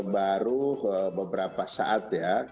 baru beberapa saat ya